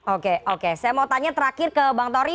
oke oke saya mau tanya terakhir ke bang tori